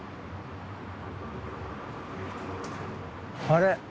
あれ？